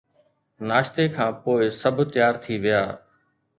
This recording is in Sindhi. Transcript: ناشتي کان پوءِ سڀ تيار ٿي ويا